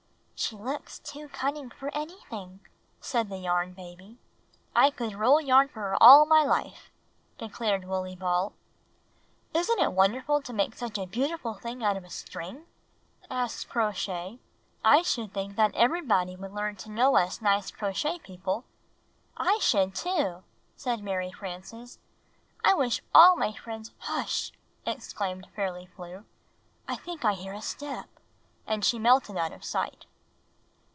"She looks too cunning for anything!" said the Yarn Baby .ny new. "Tirick M'dmmnl 'Ivrick!' 144 Knitting and Crocheting Book 1 shookl "I could roll yarn for her all my life," declared Wooley Ball. "Isn't it wonderful to make such a beautiful thing out of a string?" asked Crow Shay. "I should think that everybody would learn to know us nice Crochet People." "I should, too," said Mary Frances. ''I wish all my friends " "Hush!" exclaimed Fairly Flew. "I think I hear a step!" And she melted out of sight.